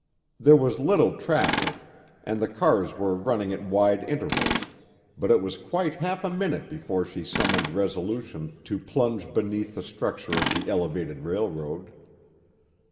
There was little traffic, and the cars were running at wide intervals, but it was quite half a minute before she summoned resolution to plunge beneath the structure of the elevated railroad.